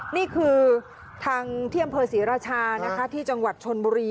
นี่คือทางเที่ยมเผอร์ศรีราชาที่จังหวัดชนบุรี